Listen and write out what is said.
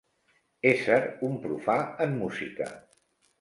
Ésser un profà en música.